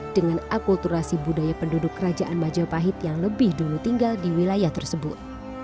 dengan akulturasi budaya penduduk kerajaan majapahit yang lebih dulu tinggal di wilayah tersebut